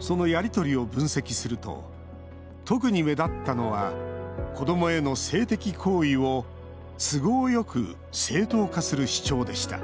そのやり取りを分析すると特に目立ったのは子どもへの性的行為を都合よく正当化する主張でした。